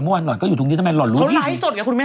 เมื่อวานหล่อนก็อยู่ตรงนี้ทำไมหล่อนรู้ว่าเขาไลฟ์สดกับคุณแม่